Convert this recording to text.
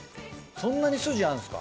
そんなに筋あんすか？